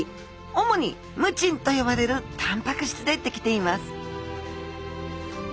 主にムチンと呼ばれるタンパク質でできています